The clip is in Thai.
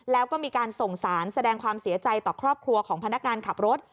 แล้วก็มีการส่งสารแสดงความเสียใจต่อครอบครัวของพนักงานขับรถ